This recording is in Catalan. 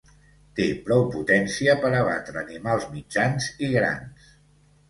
Té prou potència per abatre animals mitjans i grans.